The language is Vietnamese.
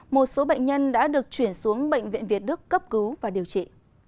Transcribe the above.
một số bệnh nhân đã được chuyển xuống bệnh viện việt đức cấp cứu và điều trị